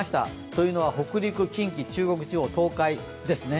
というのは北陸、近畿、中国地方、東海ですね。